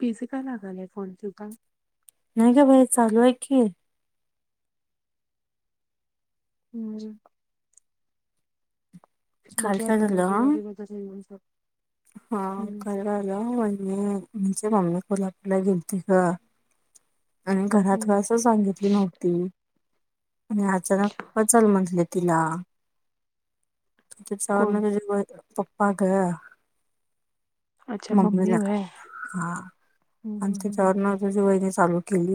Busy काय लागाले phone तुझा? नाही ग बाई चालू आहे की. [unintelligible] काल बघूया काय आता झाल. रविवारी वगैरे येऊन जाऊ. हम्म काय झाल वाहिनी म्हणजे मम्मी कोल्हापूरला गेलती. ह आणि घरात हम्म अस सांगितली नव्हती आणि अचानक बस झाल म्हटले तिला. [unintelligible] चार कोण? म ज पप्पा ग. अच्छा मम्मी मम्मीला का? व्हय. हा हम्म आणि हम्म हम्म तिच्यावरून तुझी वहिनी चालू केली,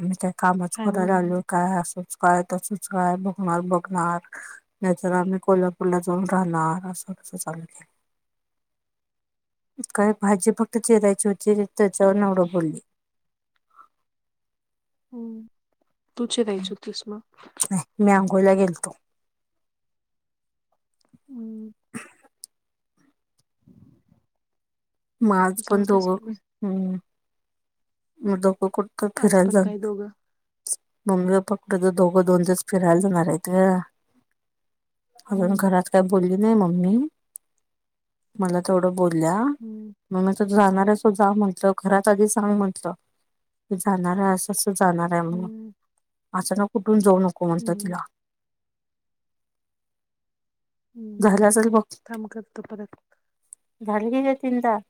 आम्ही त्या कामच काय करायला म्हणून? आलो. काय असंच काय, तसच काय, बघणार बघणार. नाही तर आम्ही कोल्हापूरला जाऊन राहणार. असं तस चालू केल. काय भाजी फक्त चिरायची होती. त्याच्यावरून एवढं बोलली. हम्म, तु चिरायची होती म. नाही, म्या आंघोळीला गेलतो. हम्म. म आज पण जाऊ दे दोघं. सोड बाई. हम्म म दोघं कुठं तो आज फिरायला पण जात काय नाही. दोघं? मम्मी फक्त ते दोघं दोन दिवस फिरायला जाणारेत ग. अजून हम्म घरात काही बोलली नाही मम्मी. मला तेवढं बोलल्या. हम्म मग मी म्हटलं तु जाणारेस त जा म्हंटलं. घरात आधी सांग म्हटलं की जाणार अस. कसं जाणारे म्हणून. हम्म असं ना कुठून जाऊ नको म्हणता हम्म तिला. हम्म. झालं असेल बघ, थांब करतो परत. झालं की तेचीन दहा.